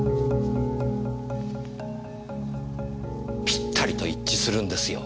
ぴったりと一致するんですよ。